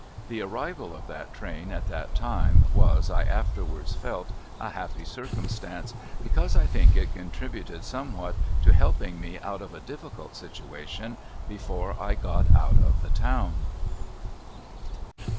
The arrival of that train at that time was, I afterwards felt, a happy circumstance, because I think it contributed somewhat to helping me out of a difficult situation before I got out of the town.